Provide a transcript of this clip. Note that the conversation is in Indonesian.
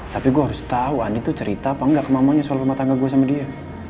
tapi gue harus tau andi tuh cerita apa engga kemamanya soal rumah tangga gue sama dia